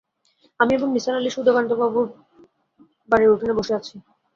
আমি এবং নিসার আলি সুধাকান্তবাবুর বাড়ির উঠোনে বসে আছি।